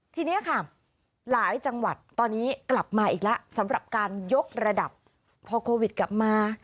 ทีนี้ค่ะหลายจังหวัดตอนนี้กลับมาอีกแล้วสำหรับการยกระดับพอโควิดกลับมา